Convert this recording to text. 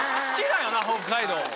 好きだよな北海道。